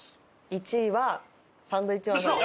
１位はサンドウィッチマンさんです。